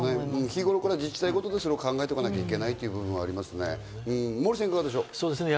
日頃から自治体ごとで考えておかなきゃいけないということもありますね。